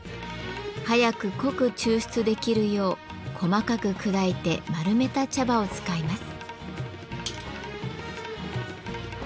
早く濃く抽出できるよう細かく砕いて丸めた茶葉を使います。